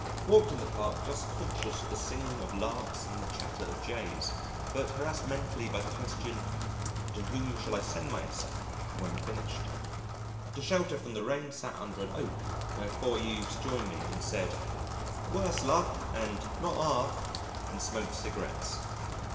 Walked in the Park just conscious of the singing of Larks and the chatter of Jays, but harassed mentally by the question, "To whom shall I send my essay, when finished?" To shelter from the rain sat under an oak where four youths joined me and said, "Worse luck," and "Not half," and smoked cigarettes.